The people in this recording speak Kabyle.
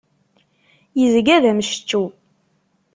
Yezga d amceččew.